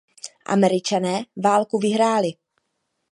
Američané válku vyhráli.